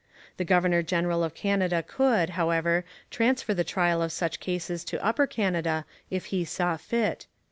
The governor general of Canada could, however, transfer the trial of such cases to Upper Canada, if he saw fit.